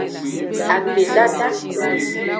Akpedada.